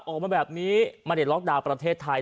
ออกมาแบบนี้มาเด็ดล็อกดาวน์ประเทศไทย